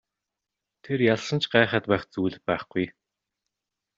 Тэр ялсан ч гайхаад байх зүйл байхгүй.